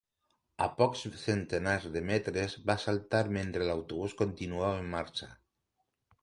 A pocs centenars de metres, va saltar mentre l'autobús continuava en marxa.